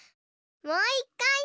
もういっかい！